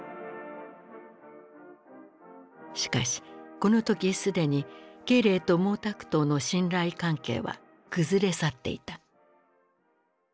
しかしこの時すでに慶齢と毛沢東の信頼関係は崩れ去っていた。